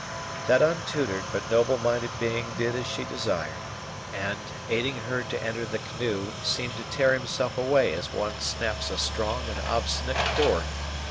That untutored but noble minded being did as she desired; and, aiding her to enter the canoe, seemed to tear himself away as one snaps a strong and obstinate cord.